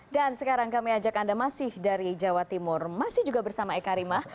dan sekarang kami ajak anda masih dari jawa timur masih juga bersama eka rima